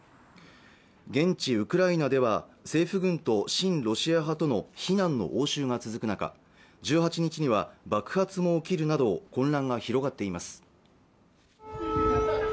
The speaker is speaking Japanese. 現地ウクライナでは政府軍と親ロシア派との非難の応酬が続く中１８日には爆発も起きるなど混乱が広がっています